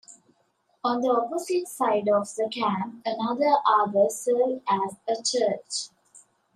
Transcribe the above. On the opposite side of the camp, another arbor served as a church.